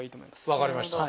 分かりました。